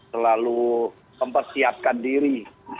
selalu mempersiapkan diri